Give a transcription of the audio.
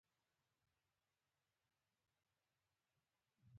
ډوډۍ سارې خوړله، خوله کې زما ورته لاړې راغلې.